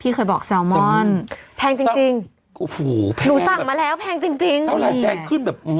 เคยบอกแซลมอนแพงจริงจริงโอ้โหหนูสั่งมาแล้วแพงจริงจริงเท่าไรแพงขึ้นแบบ